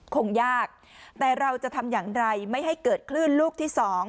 คงยากแต่เราจะทำอย่างไรไม่ให้เกิดคลื่นลูกที่๒